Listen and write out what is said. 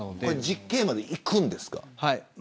実刑までいくんですか。